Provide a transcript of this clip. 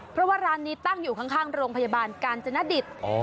เพราะว่าร้านนี้ตั้งอยู่ข้างโรงพยาบาลกาญจนดิต